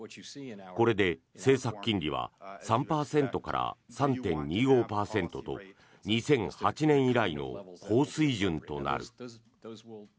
これで政策金利は３％から３．２５％と２００８年以来の高水準となる。